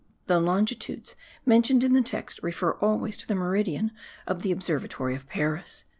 The longitudes mentioned in the text refer always to the meridian of the Observatory of Paris.))